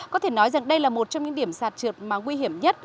có thể nói rằng đây là một trong những điểm sạt trượt mà nguy hiểm nhất